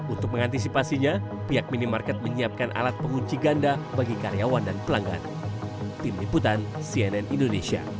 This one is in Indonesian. untuk mengantisipasinya pihak minimarket menyiapkan alat pengunci ganda bagi karyawan dan pelanggan